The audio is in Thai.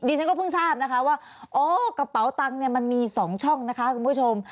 ดิฉันก็เพิ่งทราบนะคะว่าโอ้กระเป๋าตังค์มันมีสองช่องนะคะคุณผู้ชม